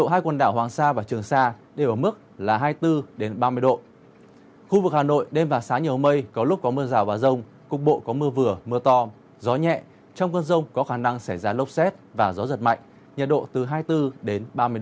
hãy đăng ký kênh để ủng hộ kênh của chúng mình nhé